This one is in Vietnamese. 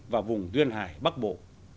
và vùng duyên hải bắc bộ